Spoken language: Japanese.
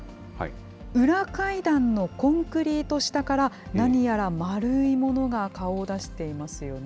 裏階段のコンクリート下から、何やら丸いものが顔を出していますよね。